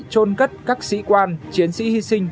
trôn cất các sĩ quan chiến sĩ hy sinh